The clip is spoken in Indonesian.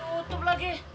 udah utup lagi